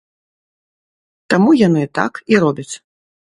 Таму яны так і робяць.